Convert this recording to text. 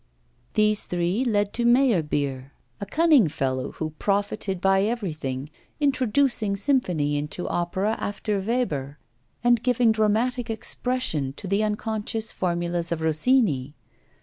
These three led to Meyerbeer, a cunning fellow who profited by everything, introducing symphony into opera after Weber, and giving dramatic expression to the unconscious formulas of Rossini.